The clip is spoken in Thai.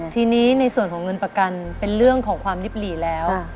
ทีนี้ในส่วนของเงินประกันเป็นเรื่องของความลิบหลีแล้ว